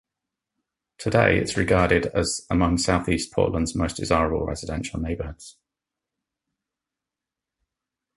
Today it is regarded as among southeast Portland's most desirable residential neighborhoods.